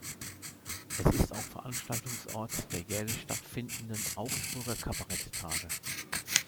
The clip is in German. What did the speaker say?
Es ist auch Veranstaltungsort der jährlich stattfindenden „Augsburger Kabarett Tage“.